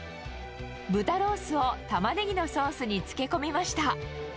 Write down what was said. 豚ロースをタマネギのソースに漬け込みました。